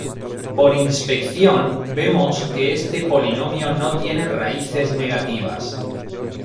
Por inspección vemos que este polinomio no tiene raíces negativas.